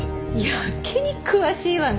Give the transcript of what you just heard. やけに詳しいわね。